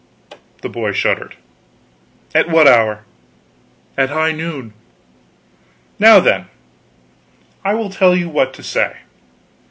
The boy shuddered. "At what hour?" "At high noon." "Now then, I will tell you what to say."